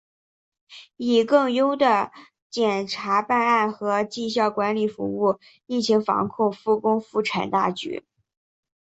以更优的检察办案和绩效管理服务疫情防控、复工复产大局